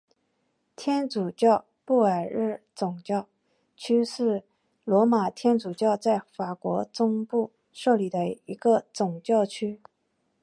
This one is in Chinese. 天主教布尔日总教区是罗马天主教在法国中部设立的一个总教区。